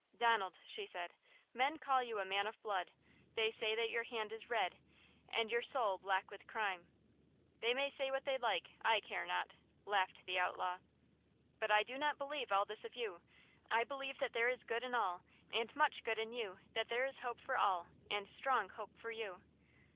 "Donald," she said, "men call you a man of blood; they say that your hand is red and your soul black with crime!" "They may say what they like–I care not!" laughed the outlaw. "But I do not believe all this of you! I believe that there is good m all, and much good in you; that there is hope for all, and strong hope for you!"